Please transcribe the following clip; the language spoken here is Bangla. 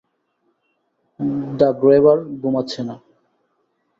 দ্য গ্র্যাবার ঘুমাচ্ছে না।